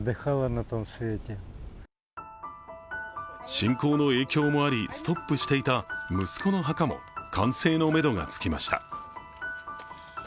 侵攻の影響もありストップしていた息子の墓も完成のめどがつきました。